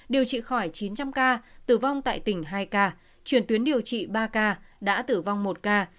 điều trị khỏi chín trăm linh ca tử vong tại tỉnh hai ca chuyển tuyến điều trị ba ca đã tử vong một ca